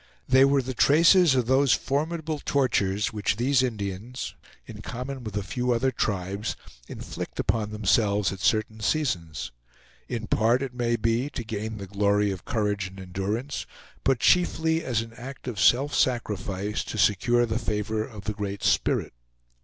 They were the traces of those formidable tortures which these Indians, in common with a few other tribes, inflict upon themselves at certain seasons; in part, it may be, to gain the glory of courage and endurance, but chiefly as an act of self sacrifice to secure the favor of the Great Spirit.